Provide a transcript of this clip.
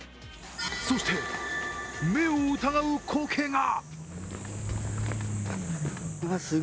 そして目を疑う光景が。